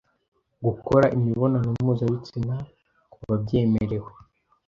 gukora imibonano mpuzabitsina ku babyemerewe,